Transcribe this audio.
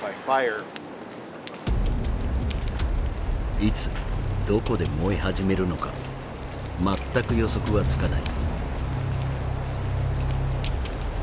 いつどこで燃え始めるのか全く予測はつかない。